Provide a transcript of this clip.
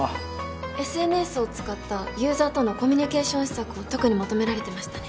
ＳＮＳを使ったユーザーとのコミュニケーション施策を特に求められてましたね。